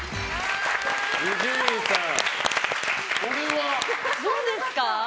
伊集院さんこれはどうですか？